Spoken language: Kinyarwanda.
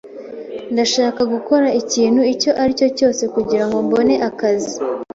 Ndashaka gukora ikintu icyo ari cyo cyose kugirango mbone ako kazi.